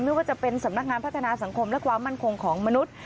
ไม่ว่าจะเป็นสำนักงานพัฒนาสังคมและความมั่นคงของมนุษย์